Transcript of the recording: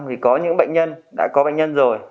thì có những bệnh nhân đã có bệnh nhân rồi